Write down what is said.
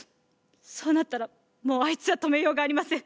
そうなったらもうあいつは止めようがありません。